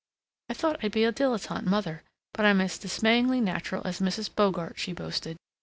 "I thought I'd be a dilettante mother, but I'm as dismayingly natural as Mrs. Bogart," she boasted.